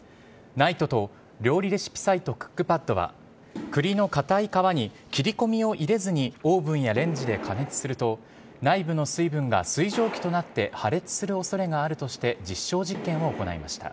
ＮＩＴＥと料理レシピサイトクックパッドは栗の硬い皮に切り込みを入れずにオープンやレンジで加熱すると内部の水分が水蒸気となって破裂する恐れがあるとして実証実験を行いました。